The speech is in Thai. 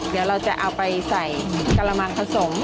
เดี๋ยวเราจะเอาไปใส่กระมังผสม